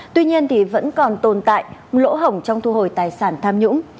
tuy nhiên vẫn còn tồn tại lỗ hổng trong thu hồi tài sản tham nhũng